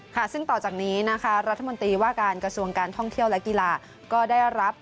ค่ะซึ่งต่อจากนี้นะคะรัฐมนตรีว่าการกระทรวงการท่องเที่ยวและกีฬาก็ได้รับ